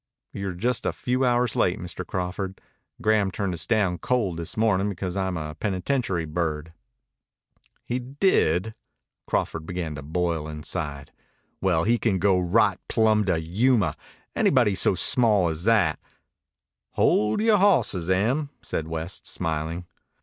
"You're just a few hours late, Mr. Crawford. Graham turned us down cold this morning because I'm a penitentiary bird." "He did?" Crawford began to boil inside. "Well, he can go right plumb to Yuma. Anybody so small as that " "Hold yore hawsses, Em," said West, smiling.